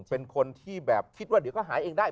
เป็นคนที่แบบคิดว่าเดี๋ยวก็หายเองได้